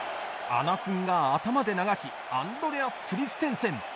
アナスンが頭で流しアンドレアス・クリステンセン。